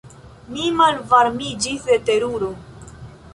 Mi malvarmiĝis de teruro.